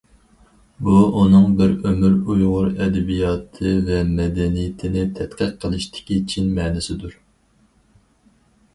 بۇ ئۇنىڭ بىر ئۆمۈر ئۇيغۇر ئەدەبىياتى ۋە مەدەنىيىتىنى تەتقىق قىلىشتىكى چىن مەنىسىدۇر.